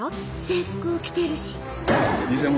制服着てるし。